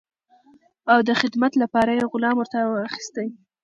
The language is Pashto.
او د خدمت لپاره یې غلام ورته واخیست.